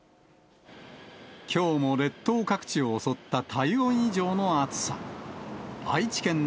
きょうも列島各地を襲った体温以上の暑さ。